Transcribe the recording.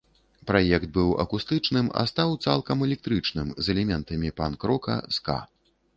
Праект быў акустычным, а стаў цалкам электрычным, з элементамі панк-рока, ска.